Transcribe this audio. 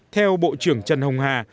theo bộ trưởng trần hồng hà